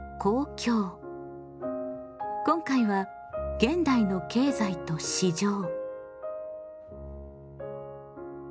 今回は「現代の経済と市場」。